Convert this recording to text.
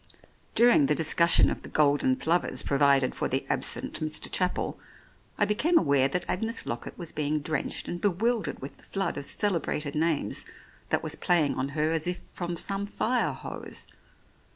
During the discussion of the golden plovers pro vided for the absent Mr. Chapel, I became aware that Agnes Lockett was being drenched and bewildered with the flood of celebrated names that was playing on her as if from some fire hose.